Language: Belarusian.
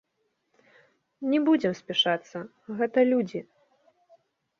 Не будзем спяшацца, гэта людзі.